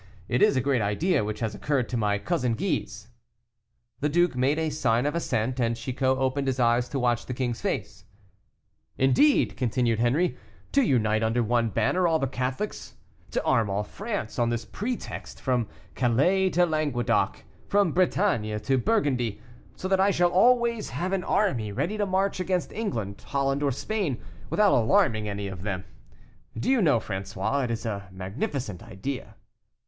It is a great idea which has occurred to my cousin Guise." The duke make a sign of assent, and Chicot opened his eyes to watch the king's face. "Indeed," continued Henri, "to unite under one banner all the Catholics, to arm all France on this pretext from Calais to Languedoc, from Bretagne to Burgundy, so that I shall always have an army ready to march against England, Holland, or Spain, without alarming any of them do you know, François, it is a magnificent idea?"